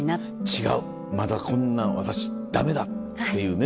違うまだこんなん私ダメだっていうね。